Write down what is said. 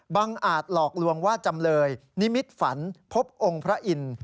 อาจหลอกลวงว่าจำเลยนิมิตฝันพบองค์พระอินทร์